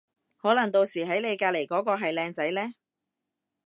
可能到時喺你隔離嗰個係靚仔呢